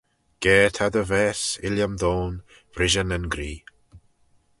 Ga ta dty vaase, Illiam Dhone, brishey nyn gree!